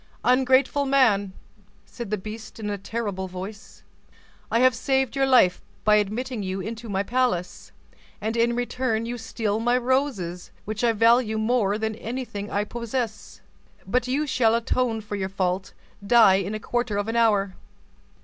"Ungrateful man!" said the beast in a terrible voice, "I have saved your life by admitting you into my palace, and in return you steal my roses, which I value more than anything I possess. But you shall atone for your fault—die in a quarter of an hour.